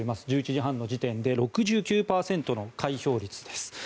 １１時半の時点で６９％の開票率です。